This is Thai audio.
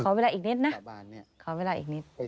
เวลาอีกนิดนะขอเวลาอีกนิด